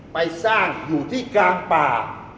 ไปสร้างอยู่ที่กลางป่า